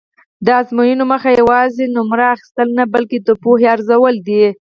د ازموینو موخه یوازې نومره اخیستل نه بلکې د پوهې ارزول دي.